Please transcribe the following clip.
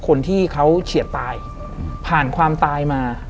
คนที่เขาเฉียดตายผ่านความตายมา